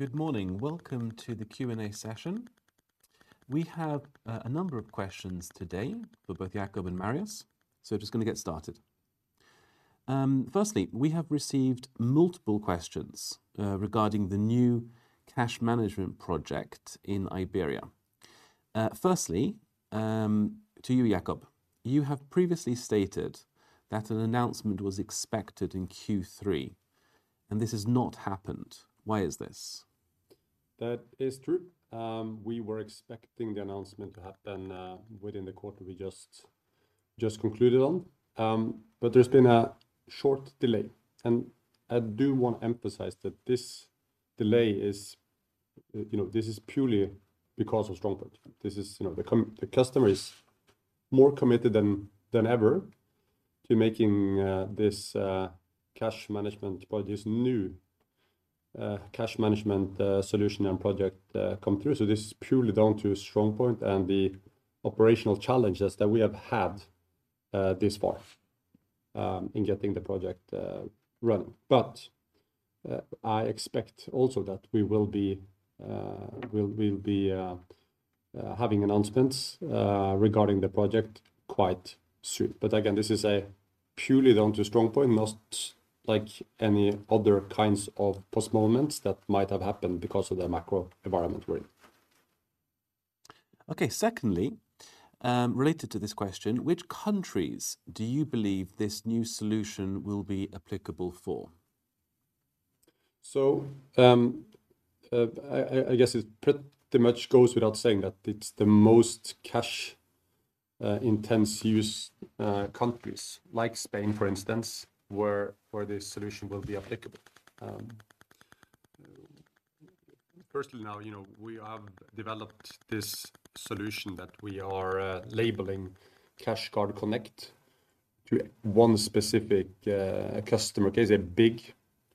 Good morning. Welcome to the Q&A session. We have a number of questions today for both Jacob and Marius, so we're just going to get started. Firstly, we have received multiple questions regarding the new cash management project in Iberia. Firstly, to you, Jacob, you have previously stated that an announcement was expected in Q3, and this has not happened. Why is this? That is true. We were expecting the announcement to happen within the quarter we just concluded on. But there's been a short delay, and I do want to emphasize that this delay is, you know, this is purely because of StrongPoint. This is, you know, the customer is more committed than ever to making this cash management project, this new cash management solution and project come through. So this is purely down to StrongPoint and the operational challenges that we have had thus far in getting the project running. But I expect also that we will be, we'll be having announcements regarding the project quite soon. But again, this is purely down to StrongPoint, not like any other kinds of postponements that might have happened because of the macro environment we're in. Okay. Secondly, related to this question, which countries do you believe this new solution will be applicable for? So, I guess it pretty much goes without saying that it's the most cash intense use countries, like Spain, for instance, where this solution will be applicable. Firstly, now, you know, we have developed this solution that we are labeling CashGuard Connect to one specific customer case, a big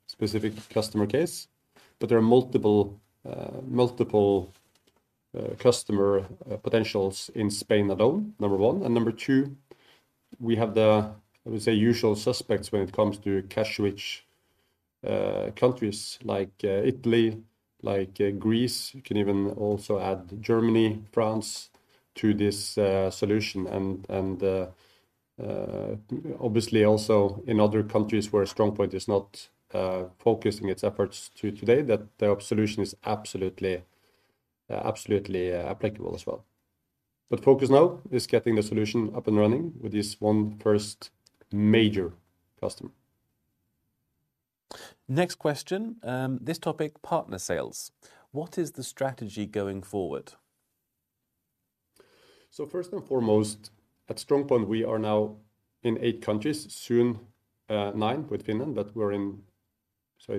specific customer case. But there are multiple customer potentials in Spain alone, number one. And number two, we have the, I would say, usual suspects when it comes to cash-rich countries like Italy, like Greece. You can even also add Germany, France, to this solution, and obviously, also in other countries where StrongPoint is not focusing its efforts to today, that the solution is absolutely applicable as well. Focus now is getting the solution up and running with this one first major customer. Next question. This topic, partner sales. What is the strategy going forward? So first and foremost, at StrongPoint, we are now in eight countries. Soon, nine with Finland, but we're in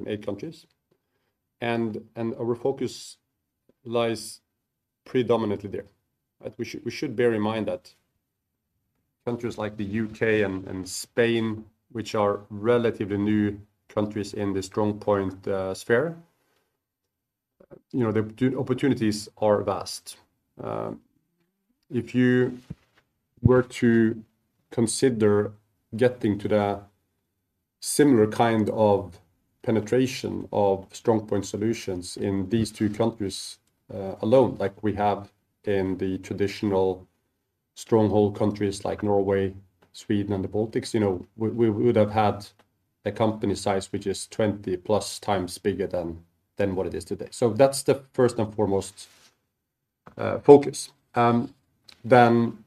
eight countries, and our focus lies predominantly there, right? We should bear in mind that countries like the U.K. and Spain, which are relatively new countries in the StrongPoint sphere, you know, the opportunities are vast. If you were to consider getting to the similar kind of penetration of StrongPoint solutions in these two countries alone, like we have in the traditional stronghold countries like Norway, Sweden, and the Baltics, you know, we would have had a company size which is 20+ times bigger than what it is today. So that's the first and foremost focus. Then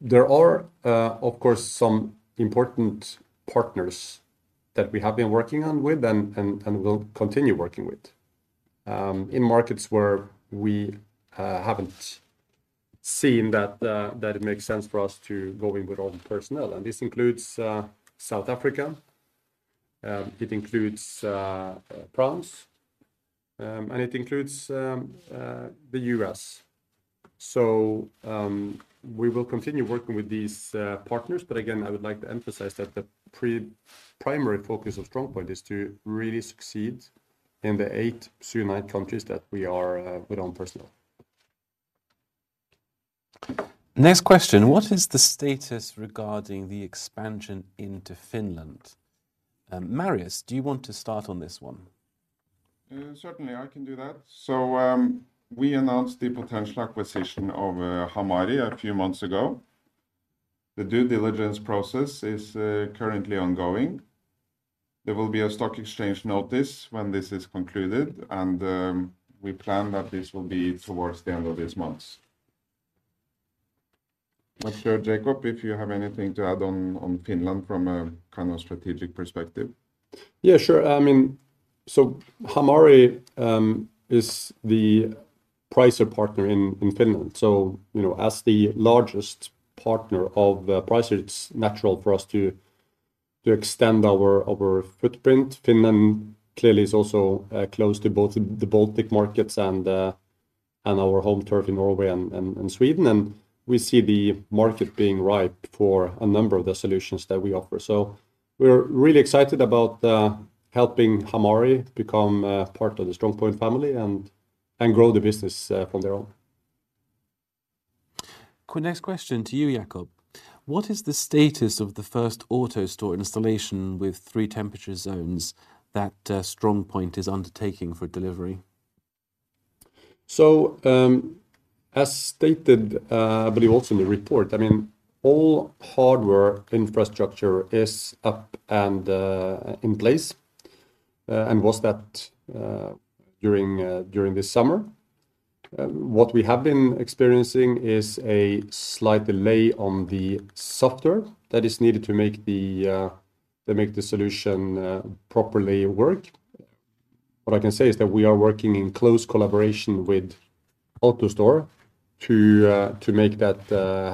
there are, of course, some important partners that we have been working on with and will continue working with, in markets where we haven't seen that it makes sense for us to go in with own personnel, and this includes South Africa, it includes France, and it includes the U.S. So, we will continue working with these partners. But again, I would like to emphasize that the primary focus of StrongPoint is to really succeed in the eight, soon nine, countries that we are with own personnel. Next question: What is the status regarding the expansion into Finland? Marius, do you want to start on this one? Certainly, I can do that. So, we announced the potential acquisition of Hamari a few months ago. The due diligence process is currently ongoing. There will be a stock exchange notice when this is concluded, and we plan that this will be towards the end of this month. I'm sure, Jacob, if you have anything to add on Finland from a kind of strategic perspective. Yeah, sure. I mean, so Hamari is the Pricer partner in Finland. So, you know, as the largest partner of Pricer, it's natural for us to extend our footprint. Finland clearly is also close to both the Baltic markets and our home turf in Norway and Sweden, and we see the market being ripe for a number of the solutions that we offer. So we're really excited about helping Hamari become part of the StrongPoint family and grow the business from their own.... Next question to you, Jacob. What is the status of the first AutoStore installation with three temperature zones that StrongPoint is undertaking for delivery? So, as stated, I believe also in the report, I mean, all hardware infrastructure is up and in place, and was that during this summer. What we have been experiencing is a slight delay on the software that is needed to make the solution properly work. What I can say is that we are working in close collaboration with AutoStore to make that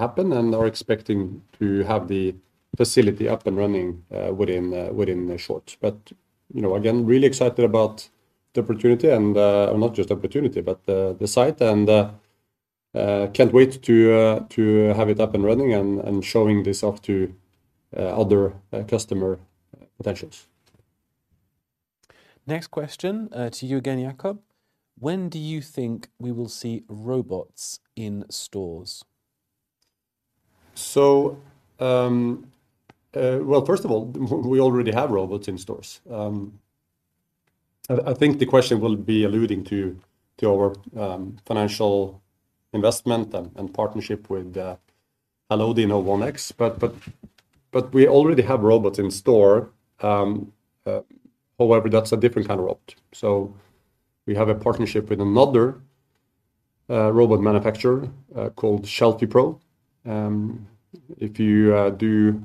happen, and are expecting to have the facility up and running within short. But, you know, again, really excited about the opportunity and not just opportunity, but the site and can't wait to have it up and running and showing this off to other customer potentials. Next question, to you again, Jacob: When do you think we will see robots in stores? So, well, first of all, we already have robots in stores. I think the question will be alluding to our financial investment and partnership with 1X. But we already have robots in store. However, that's a different kind of robot. So we have a partnership with another robot manufacturer called Shelfie. If you do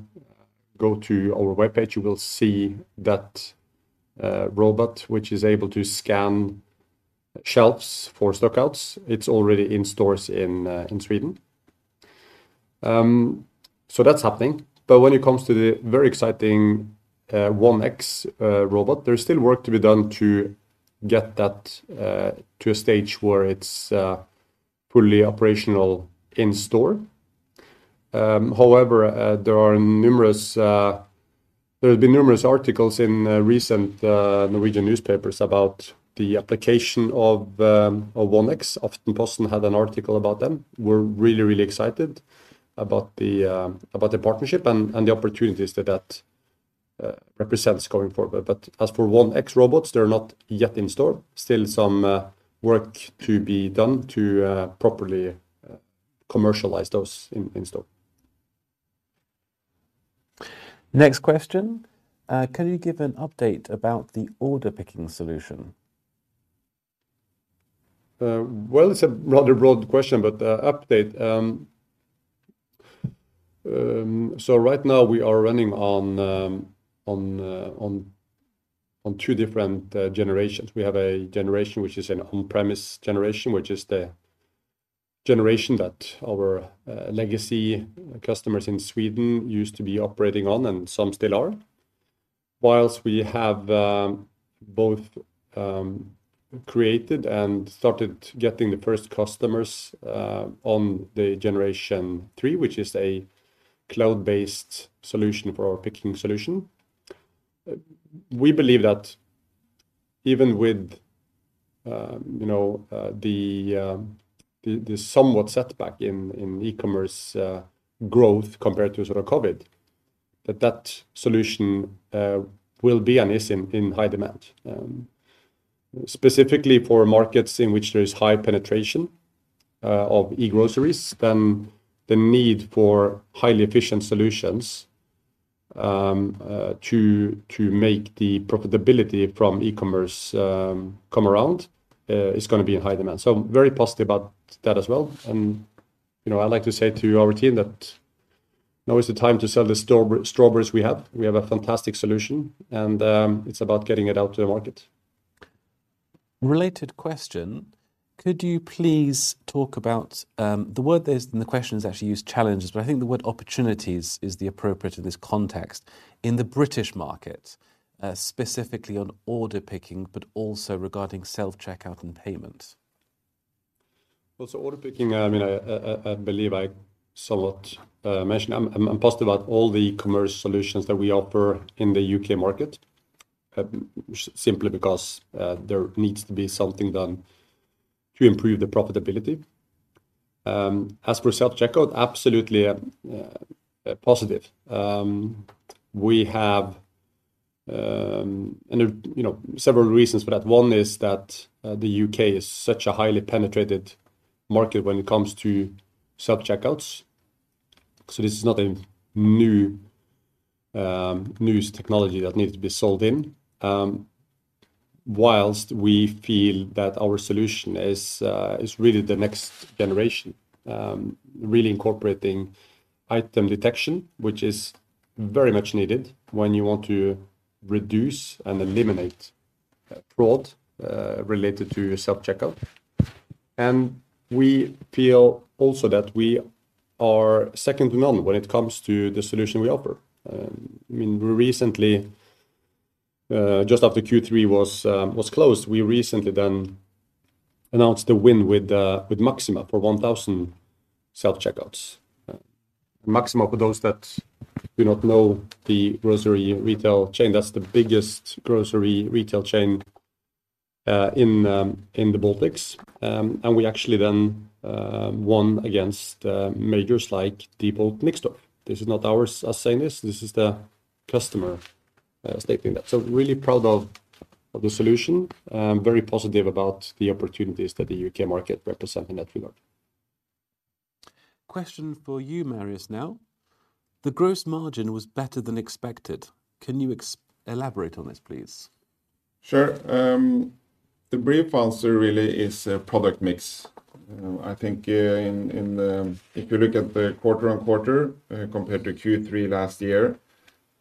go to our webpage, you will see that robot, which is able to scan shelves for stockouts. It's already in stores in Sweden. So that's happening. But when it comes to the very exciting 1X robot, there's still work to be done to get that to a stage where it's fully operational in store. However, there have been numerous articles in recent Norwegian newspapers about the application of 1X. Aftenposten had an article about them. We're really, really excited about the partnership and the opportunities that represents going forward. But as for 1X robots, they're not yet in store. Still some work to be done to properly commercialize those in store. Next question: Can you give an update about the order picking solution? Well, it's a rather broad question, but update. So right now we are running on two different generations. We have a generation, which is an on-premise generation, which is the generation that our legacy customers in Sweden used to be operating on, and some still are. Whilst we have both created and started getting the first customers on the Generation Three, which is a cloud-based solution for our picking solution. We believe that even with you know, the somewhat setback in e-commerce growth compared to sort of COVID, that that solution will be and is in high demand. Specifically for markets in which there is high penetration of e-groceries, then the need for highly efficient solutions to make the profitability from e-commerce come around is gonna be in high demand. So very positive about that as well. And, you know, I like to say to our team that now is the time to sell the strawberries we have. We have a fantastic solution, and it's about getting it out to the market. Related question: Could you please talk about... The word that's in the question is actually use "challenges," but I think the word "opportunities" is the appropriate in this context. In the British market, specifically on order picking, but also regarding self-checkout and payment. Well, order picking, I mean, I believe I somewhat mentioned. I'm positive about all the commerce solutions that we offer in the U.K. market, simply because there needs to be something done to improve the profitability. As for self-checkout, absolutely positive. We have, and, you know, several reasons for that. One is that the U.K. is such a highly penetrated market when it comes to self-checkouts. This is not a new technology that needs to be sold in. Whilst we feel that our solution is really the next generation, really incorporating item detection, which is very much needed when you want to reduce and eliminate fraud related to your self-checkout. We feel also that we are second to none when it comes to the solution we offer. I mean, we recently, just after Q3 was closed, we recently then announced a win with, with Maxima for 1,000 self-checkouts. Maxima, for those that do not know the grocery retail chain, that's the biggest grocery retail chain in the Baltics. And we actually then, won against, majors like Diebold Nixdorf. This is not ours, us saying this, this is the customer, stating that. So really proud of, of the solution, and very positive about the opportunities that the UK market represent in that regard. Question for you, Marius, now. The gross margin was better than expected. Can you elaborate on this, please? Sure. The brief answer really is product mix. I think in if you look at the quarter-on-quarter compared to Q3 last year,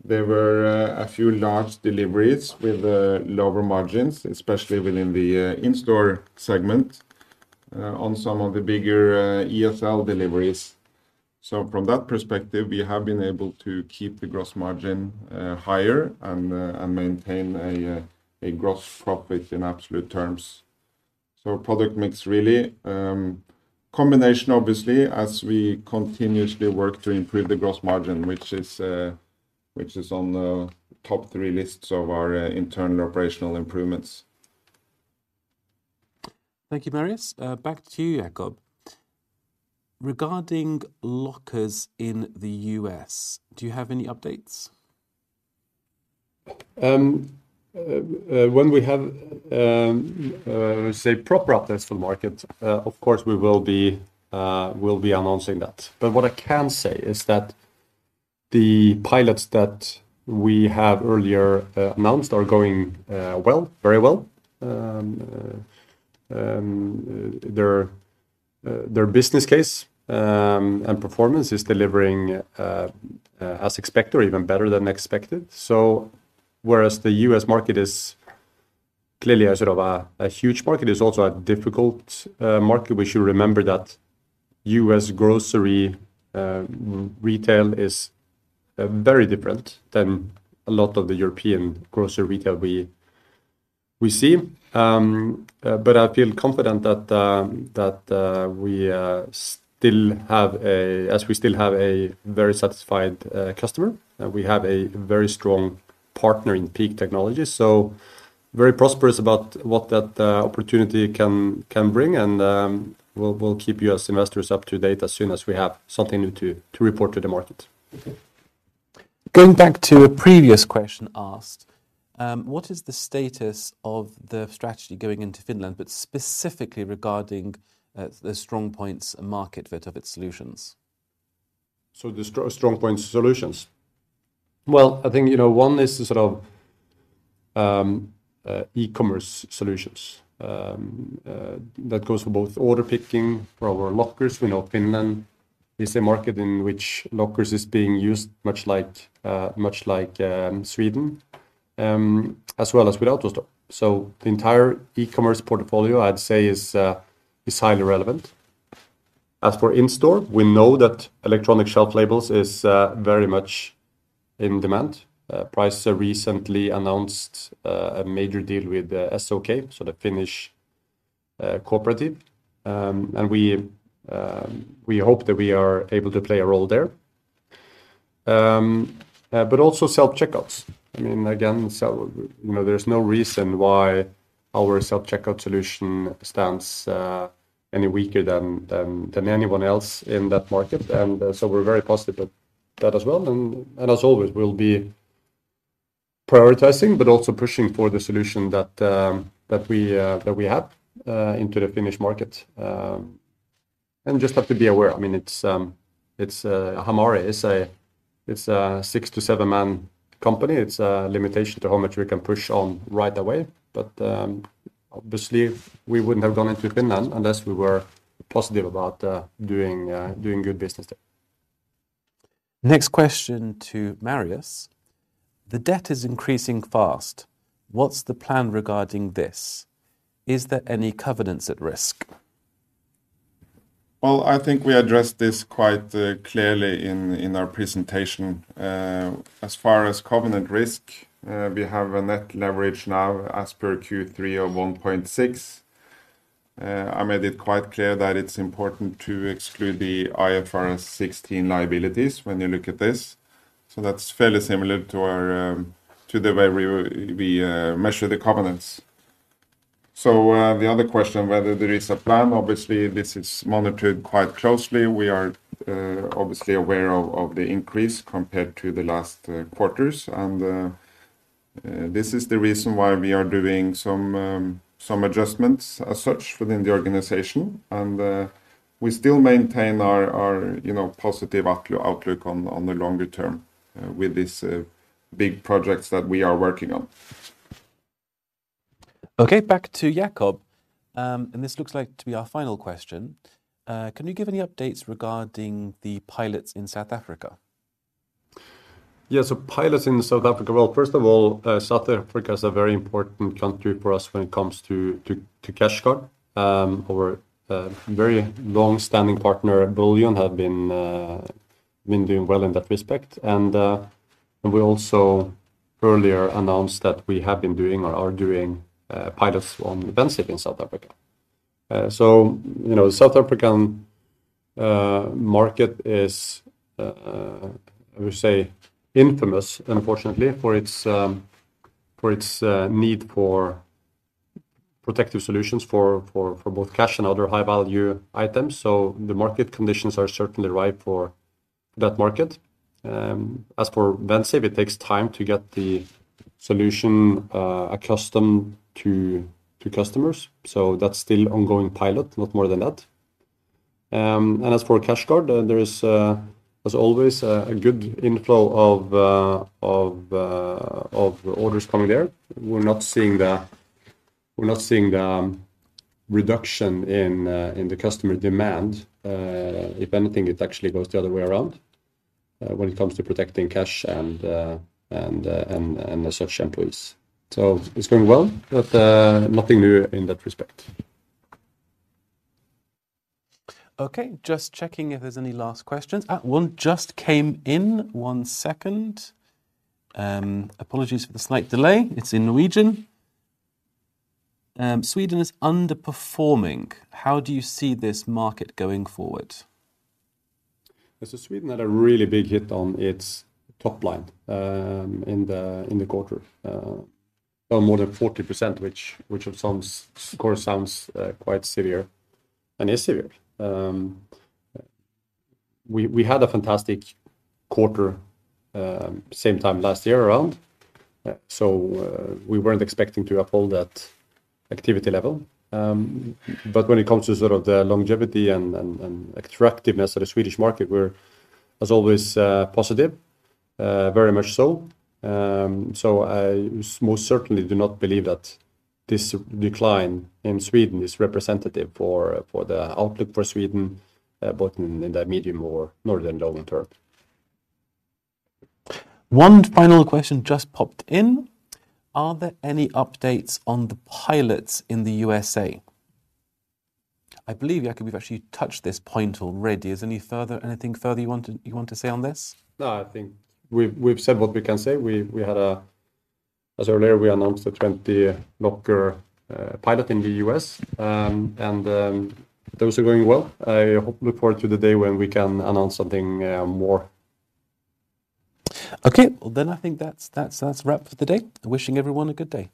there were a few large deliveries with lower margins, especially within the in-store segment on some of the bigger ESL deliveries. So from that perspective, we have been able to keep the gross margin higher and maintain a gross profit in absolute terms. So product mix, really, combination, obviously, as we continuously work to improve the gross margin, which is on the top three lists of our internal operational improvements. Thank you, Marius. Back to you, Jacob. Regarding lockers in the U.S., do you have any updates? When we have, say, proper updates for the market, of course we will be, we'll be announcing that. But what I can say is that the pilots that we have earlier announced are going well, very well. Their business case and performance is delivering as expected or even better than expected. So whereas the US market is clearly a sort of a huge market, it's also a difficult market. We should remember that US grocery retail is very different than a lot of the European grocery retail we see. But I feel confident that we still have a... as we still have a very satisfied customer. We have a very strong partner in Peak Technologies, so very prosperous about what that opportunity can bring. And we'll keep you as investors up to date as soon as we have something new to report to the market. Going back to a previous question asked, what is the status of the strategy going into Finland, but specifically regarding the StrongPoint's and market fit of its solutions? So the StrongPoint solutions. Well, I think, you know, one is the sort of e-commerce solutions. That goes for both order picking for our lockers. We know Finland is a market in which lockers is being used much like much like Sweden as well as with AutoStore. So the entire e-commerce portfolio, I'd say, is is highly relevant. As for in-store, we know that electronic shelf labels is very much in demand. Pricer recently announced a major deal with SOK, so the Finnish cooperative. And we hope that we are able to play a role there. But also self-checkouts. I mean, again, so, you know, there's no reason why our self-checkout solution stands any weaker than anyone else in that market. So we're very positive of that as well. And as always, we'll be prioritizing, but also pushing for the solution that we have into the Finnish market. And just have to be aware, I mean, it's Hamari is a, it's a 6-7-man company. It's a limitation to how much we can push on right away. But obviously, we wouldn't have gone into Finland unless we were positive about doing good business there. Next question to Marius: The debt is increasing fast. What's the plan regarding this? Is there any covenants at risk? Well, I think we addressed this quite clearly in our presentation. As far as covenant risk, we have a net leverage now as per Q3 of 1.6. I made it quite clear that it's important to exclude the IFRS 16 liabilities when you look at this. So that's fairly similar to the way we measure the covenants. So, the other question, whether there is a plan, obviously, this is monitored quite closely. We are obviously aware of the increase compared to the last quarters. And, this is the reason why we are doing some adjustments as such within the organization. And, we still maintain our you know positive outlook on the longer term, with these big projects that we are working on. Okay, back to Jacob. This looks like to be our final question. Can you give any updates regarding the pilots in South Africa? Yeah, so pilots in South Africa. Well, first of all, South Africa is a very important country for us when it comes to, to, to CashGuard. Our very long-standing partner, Bullion, have been doing well in that respect. And we also earlier announced that we have been doing or are doing pilots on Vensafe in South Africa. So, you know, South African market is, I would say infamous, unfortunately, for its need for protective solutions for both cash and other high-value items. So the market conditions are certainly ripe for that market. As for Vensafe, it takes time to get the solution accustomed to customers, so that's still ongoing pilot, not more than that. As for CashGuard, there is, as always, a good inflow of orders coming there. We're not seeing the reduction in customer demand. If anything, it actually goes the other way around when it comes to protecting cash and the staff employees. So it's going well, but nothing new in that respect. Okay. Just checking if there's any last questions. One just came in. Apologies for the slight delay. It's in Norwegian. Sweden is underperforming. How do you see this market going forward? So Sweden had a really big hit on its top line in the quarter of more than 40%, which of course sounds quite severe and is severe. We had a fantastic quarter same time last year around, so we weren't expecting to uphold that activity level. But when it comes to sort of the longevity and attractiveness of the Swedish market, we're, as always, positive, very much so. So I most certainly do not believe that this decline in Sweden is representative for the outlook for Sweden both in the medium or more than long term. One final question just popped in. Are there any updates on the pilots in the USA? I believe, Jacob, we've actually touched this point already. Is there any further—anything further you want to, you want to say on this? No, I think we've said what we can say. We had, as earlier, we announced the 20 locker pilot in the U.S., and those are going well. I look forward to the day when we can announce something more. Okay, well, then I think that's a wrap for the day. Wishing everyone a good day.